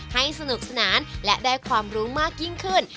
ให้สนุกสนานและได้ความรู้มากยิ่งขึ้น